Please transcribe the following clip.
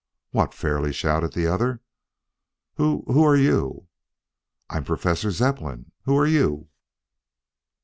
"What!" fairly shouted the other. "Who who are you?" "I'm Professor Zepplin. Who are you?"